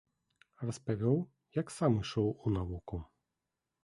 Распавёў, як сам ішоў у навуку.